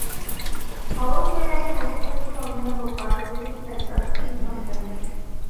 খবর পেয়ে একজন অতিসচেতন অভিভাবক পাঠক এসেছিলেন তাঁর তিন সন্তান নিয়ে।